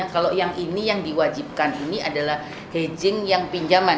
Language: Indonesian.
kalau yang ini yang diwajibkan ini adalah hedging yang pinjaman